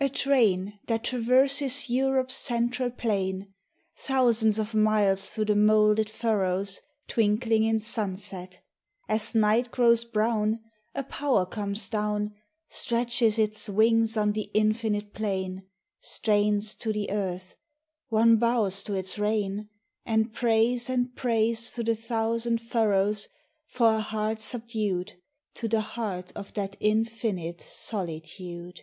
82 A TRAIN That traverses Europe's central plain 1 — Thousands of miles through the moulded furrows Twinkling in sunset ; as night grows brown A Power comes down, Stretches its wings on the infinite plain, Strains to the earth : one bows to its reign, And prays and prays through the thousand furrows For a heart subdued To the heart of that infinite solitude.